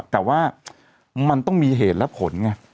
แต่ว่ามันต้องมีเหตุและผลไง